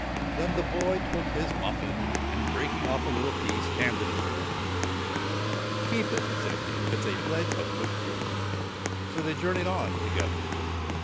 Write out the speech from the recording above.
Then the boy took his muffin, and, breaking off a little piece, handed it to him. ' Keep it,' said he ;' it 's a pledge of good faith.' So they journeyed on together.